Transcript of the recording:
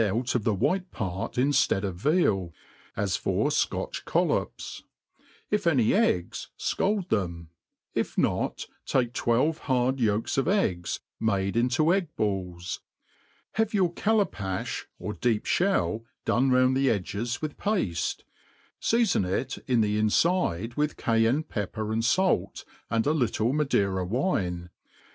out of the white pare inftead of veal, as for Scotch coll ops : if any eggs, fcald them; if not, take twelve hard, yolks of eggs, made into egg balls ; have your callapafti or deep ftiell done round the edges with pafte, feafon it in the infide with Cayeunc pepper and fait, and a little Madeira wine